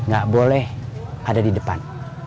gak boleh ada di depan